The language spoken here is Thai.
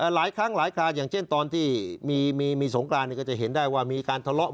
หลายครั้งหลายครานอย่างเช่นตอนที่มีสงกรานก็จะเห็นได้ว่ามีการทะเลาะ